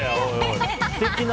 素敵な。